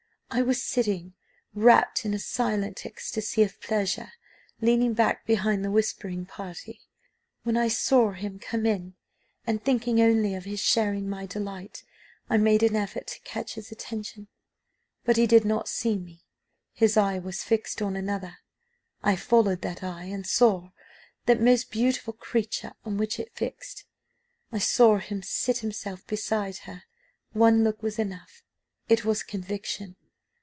"I was sitting, wrapt in a silent ecstasy of pleasure, leaning back behind the whispering party, when I saw him come in, and, thinking only of his sharing my delight, I made an effort to catch his attention, but he did not see me his eye was fixed on another; I followed that eye, and saw that most beautiful creature on which it fixed; I saw him seat himself beside her one look was enough it was conviction.